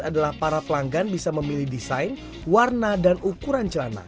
adalah para pelanggan bisa memilih desain warna dan ukuran celana